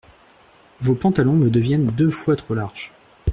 Vos pantalons me deviennent deux fois trop larges.